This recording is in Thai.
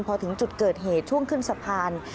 พอถึงจุดเกิดเหตุช่วงขึ้นสะพาน